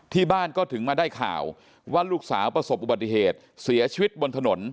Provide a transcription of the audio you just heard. ที่บ้านก็ถึงมาได้ข่าวว่าลูกสาวประสบอุบัติเหตุเสียชีวิตบนถนน